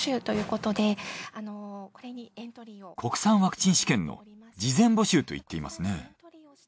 国産ワクチン試験の事前募集と言っていますね。